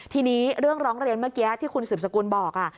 ทีนี้เรื่องร้องเรียนเมื่อกี้ที่คุณสืบสกุลบอก